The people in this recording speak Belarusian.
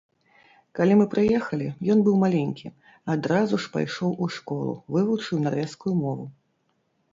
Калі мы прыехалі, ён быў маленькі, адразу ж пайшоў у школу, вывучыў нарвежскую мову.